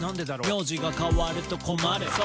「名字が変わると困るｓｏ，」